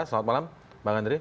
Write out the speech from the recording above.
selamat malam mbak andre